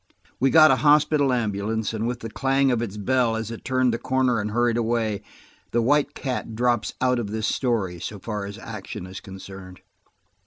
We got a hospital ambulance, and with the clang of its bell as it turned the corner and hurried away, the White Cat drops out of this story, so far as action is concerned.